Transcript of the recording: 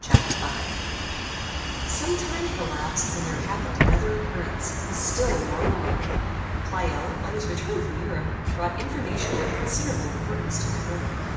Chapter V Some time had elapsed when there happened another occurrence, still more remarkable. Pleyel, on his return from Europe, brought information of considerable importance to my brother.